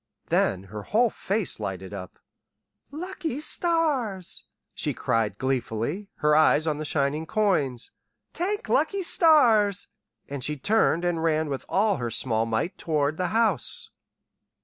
Then her whole face lighted up. "Lucky stars!" she cried gleefully, her eyes on the shining coins. "T'ank lucky stars!" And she turned and ran with all her small might toward the house.